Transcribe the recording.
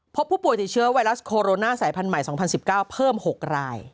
พบผู้ป่วยติดเชื้อไวรัสโคโรนาสายพันธุ์ใหม่๒๐๑๙เพิ่ม๖ราย